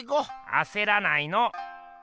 あせらないの。